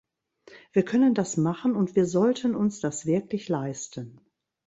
Wir können das machen, und wir sollten uns das wirklich leisten.